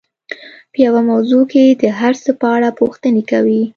په يوه موضوع کې د هر څه په اړه پوښتنې کوي.